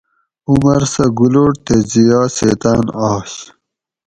عمر سۤہ گُلوٹ تے ضیأ سیتاۤن آش